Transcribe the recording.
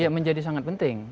ya menjadi sangat penting